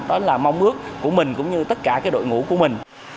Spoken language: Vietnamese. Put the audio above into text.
đó là mong ước của mình cũng như tất cả cái đội ngũ của mình